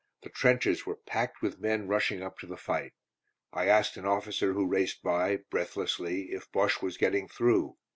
The trenches were packed with men rushing up to the fight. I asked an officer who raced by, breathlessly, if Bosche was getting through.